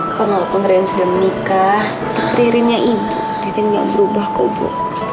kau nalapun rian sudah menikah tetri riannya ibu rian gak berubah kok bu